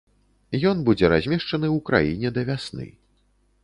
Ён будзе размешчаны ў краіне да вясны.